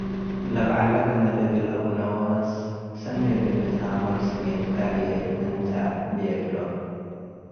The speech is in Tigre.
ለበዐለ ገመል እግል አቡነወስ፤ “ሰኒ እግል ንትኣመር፣ ስሜትካ ህዬ መን ተ?” ቤሎ።